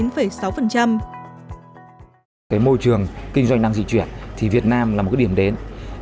với môi trường kinh doanh năng dị chuyển việt nam là một điểm đến